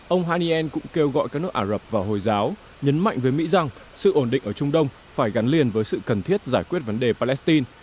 ông haniel cũng kêu gọi các nước ả rập và hồi giáo nhấn mạnh với mỹ rằng sự ổn định ở trung đông phải gắn liền với sự cần thiết giải quyết vấn đề palestine